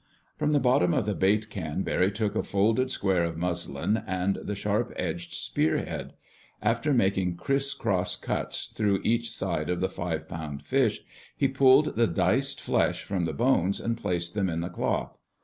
From the bottom of the bait can Barry took a folded square of muslin and the sharp edged spearhead. After making criss cross cuts through each side of the five pound fish, he pulled the diced flesh from the bones and placed them in the cloth.